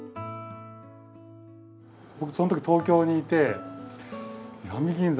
僕その時東京にいて石見銀山